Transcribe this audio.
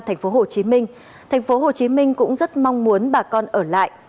thành phố hồ chí minh thành phố hồ chí minh cũng rất mong muốn bà con ở lại